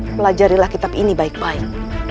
pelajarilah kitab ini baik baik